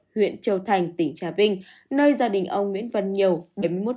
huyện châu thành tỉnh trà vinh nơi gia đình ông nguyễn văn nhiều